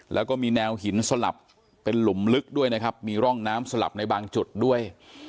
แล้วก็มีแนวหินสลับเป็นหลุมลึกด้วยนะครับมีร่องน้ำสลับในบางจุดด้วย